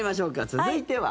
続いては。